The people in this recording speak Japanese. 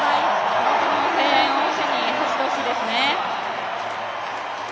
地元の声援を受けて走ってほしいですね。